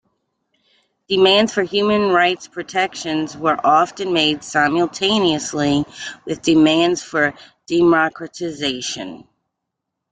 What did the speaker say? Demands for human rights protections were often made simultaneously with demands for democratization.